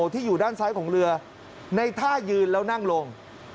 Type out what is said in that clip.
ที่อยู่ด้านซ้ายของเรือในท่ายืนแล้วนั่งลง